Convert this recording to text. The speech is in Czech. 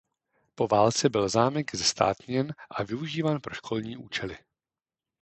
Po válce byl zámek zestátněn a využíván pro školní účely.